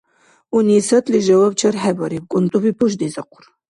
Унисатли жаваб чархӀебариб, кӀунтӀуби пушдизахъур.